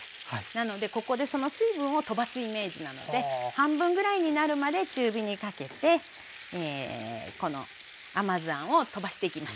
なのでここでその水分を飛ばすイメージなので半分ぐらいになるまで中火にかけてこの甘酢あんを飛ばしていきましょう。